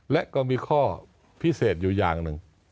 และก็มีข้อพิเศษอยู่อย่างหนึ่ง